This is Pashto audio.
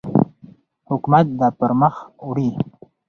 حکومت دا پرمخ وړي.